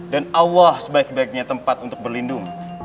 dan allah sebaik baiknya tempat untuk berlindung